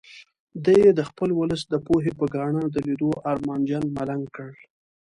دی یې د خپل ولس د پوهې په ګاڼه د لیدو ارمانجن ملنګ کړ.